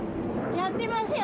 やってます！